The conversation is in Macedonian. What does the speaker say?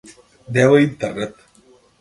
Нема интернет.